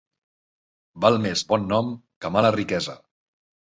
Val més bon nom que mala riquesa.